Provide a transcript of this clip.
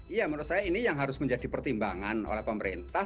iya menurut saya ini yang harus menjadi pertimbangan oleh pemerintah